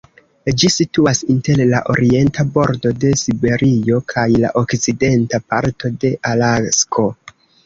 Ĝi situas inter la orienta bordo de Siberio kaj la okcidenta parto de Alasko.